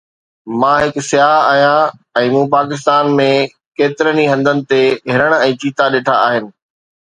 مان هڪ سياح آهيان ۽ مون پاڪستان ۾ ڪيترن ئي هنڌن تي هرڻ ۽ چيتا ڏٺا آهن